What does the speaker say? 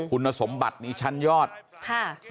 คุณสมบัติมีชั้นยอดค่ะ